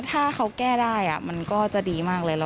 ถ้าเขาแก้ได้มันก็จะดีมากเลย